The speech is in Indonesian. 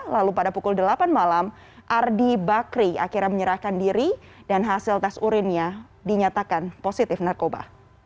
lalu pada pukul delapan malam ardi bakri akhirnya menyerahkan diri dan hasil tes urinnya dinyatakan positif narkoba